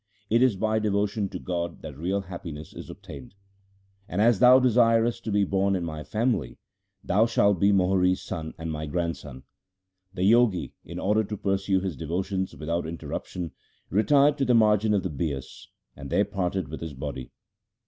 It is by devotion to God that real happiness is obtained. And, as thou desirest to be born in my family, thou shalt be Mohri's son and my grandson.' The Jogi, in order to pursue his devotions without inter ruption, retired to the margin of the Bias, and there parted with his body.